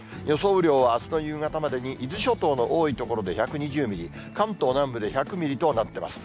雨量はあすの夕方までに伊豆諸島の多い所で１２０ミリ、関東南部で１００ミリとなってます。